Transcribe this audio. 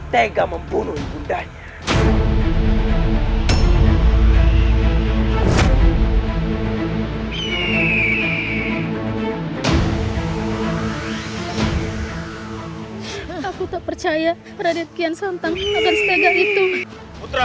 tega membunuh bundanya aku tak percaya radit kian santan akan setegak itu putra